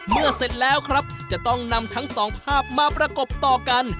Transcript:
เสร็จแล้วครับจะต้องนำทั้งสองภาพมาประกบต่อกัน